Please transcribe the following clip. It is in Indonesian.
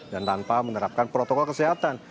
dan tanpa menerapkan protokol kesehatan